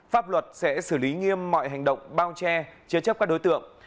pháp luật sẽ xử lý nghiêm mọi hành động bao che chế chấp các đối tượng